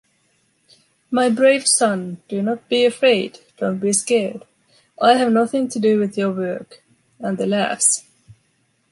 My brave son! Do not be afraid, don’t be scared. I have nothing to do with your work. And the laughs.